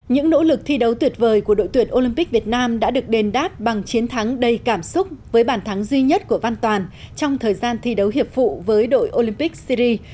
những nỗ lực thi đấu tuyệt vời của đội tuyển olympic việt nam đã được đền đáp bằng chiến thắng đầy cảm xúc với bàn thắng duy nhất của văn toàn trong thời gian thi đấu hiệp phụ với đội olympic syri